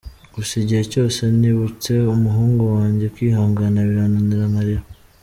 Gusa igihe cyose nibutse umuhungu wanjye kwihangana birananira nkarira.